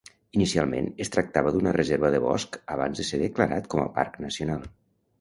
Inicialment es tractava d'una reserva de bosc abans de ser declarat com a parc nacional.